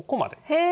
へえ！